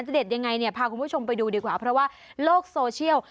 เด็ดยังไงเนี่ยพาคุณผู้ชมไปดูดีกว่าเพราะว่าโลกโซเชียล